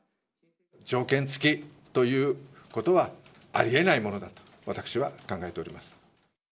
条件付きということは、ありえないものだと、私は考えております。